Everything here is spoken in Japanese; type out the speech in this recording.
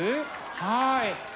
はい。